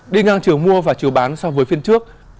đi ngang chiều mua và chiều bán so với phiên trước